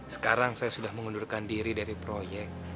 sekarang saya sudah mengundurkan diri dari proyek